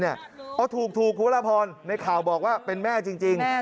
เพราะถูกคุณวรพรในข่าวบอกว่าเป็นแม่จริง